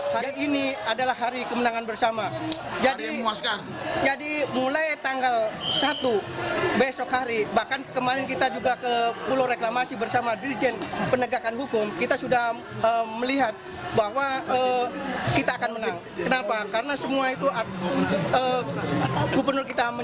kenapa karena semua itu gubernur kita menyalahi semua aturan